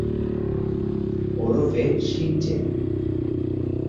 ওরফে শিন-চেন।